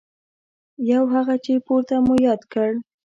یو هغه چې پورته مو یاد کړ.